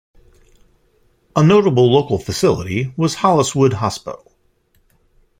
A notable local facility was Holliswood Hospital.